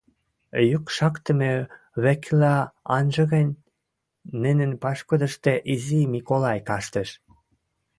Юк шактымы векӹлӓ анжа гӹнь – нӹнӹн пашкудышты Изи Миколай каштеш.